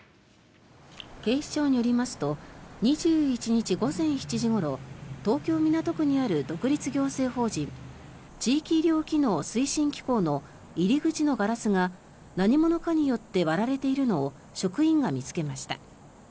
警視庁によりますと２１日午前７時ごろ東京・港区にある独立行政法人地域医療機能推進機構の入り口のガラスが何者かによって割られているのを職員が見つけました。